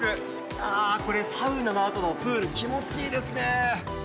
あー、これ、サウナのあとのプール、気持ちいいですね。